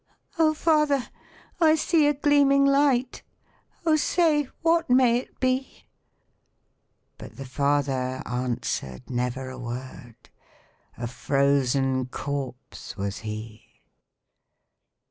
'O father! I see a gleaming light, O say, what may it be?' But the father answered never a word, A frozen corpse was he.